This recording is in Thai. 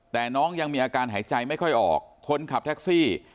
แต่น้องยังมีอาการหายใจไม่ค่อยออกคนขับแท็กซี่